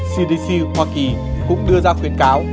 cdc hoa kỳ cũng đưa ra khuyến cáo